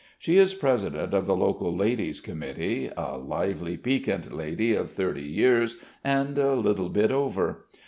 She is president of the local ladies' committee, a lively, piquant lady of thirty years and a little bit over.